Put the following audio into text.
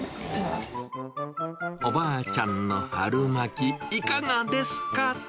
おばあちゃんの春巻き、いかがですか？